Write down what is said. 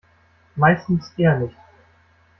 Meistens eher nicht.